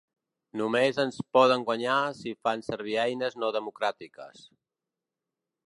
Només ens poden guanyar si fan servir eines no democràtiques.